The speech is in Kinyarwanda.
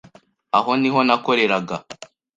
Aho niho nakoreraga.